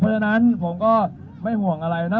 เพราะฉะนั้นผมก็ไม่ห่วงอะไรนะ